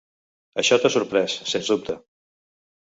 Això t'ha sorprès, sens dubte.